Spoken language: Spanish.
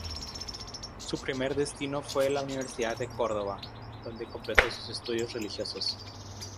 Su primer destino fue la Universidad de Córdoba donde completó sus estudios religiosos.